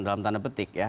dalam tanda petik ya